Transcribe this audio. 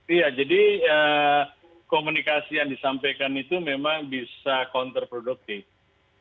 iya jadi komunikasi yang disampaikan itu memang bisa counterproductive